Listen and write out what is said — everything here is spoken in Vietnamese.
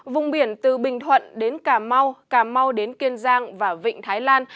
vùng biển từ bình thuận đến cà mau cà mau đến kiên giang và vịnh thái lan